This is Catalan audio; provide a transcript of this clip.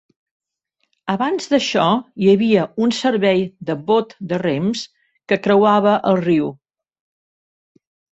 Abans d"això, hi havia un servei de bot de rems que creuava el riu.